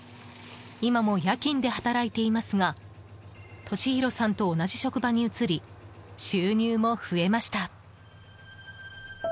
今も夜勤で働いていますが敏広さんと同じ職場に移り収入も増えました。